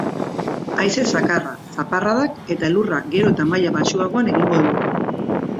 Haize zakarra, zaparradak eta elurra gero eta maila baxuagoan egingo du.